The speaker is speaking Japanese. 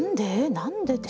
何で？って。